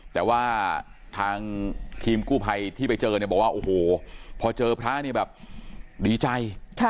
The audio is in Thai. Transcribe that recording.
แต่ว่าทางทีมกู้ภัยที่ไปเจอเนี่ยบอกว่าโอ้โหพอเจอพระเนี่ยแบบดีใจ